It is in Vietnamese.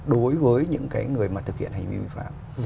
đối với những cái người mà thực hiện hành vi vi phạm